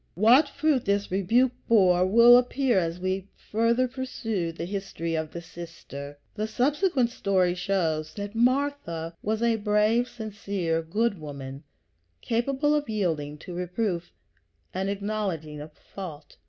What fruit this rebuke bore will appear as we further pursue the history of the sister. The subsequent story shows that Martha was a brave, sincere, good woman, capable of yielding to reproof and acknowledging a fault.